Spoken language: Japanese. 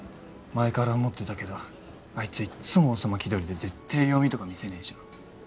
前から思ってたけどあいついっつも王様気取りでぜってえ弱みとか見せねえじゃん